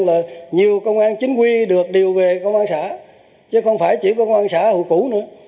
là nhiều công an chính quy được điều về công an xã chứ không phải chỉ có công an xã hội cũ nữa